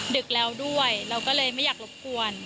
ดึกแล้วด้วยเราก็เลยไม่อยากรบกวน